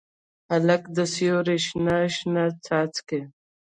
هلک د سیورو شنه، شنه څاڅکي